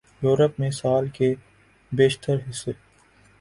Europe میں سال کے بیشتر حصے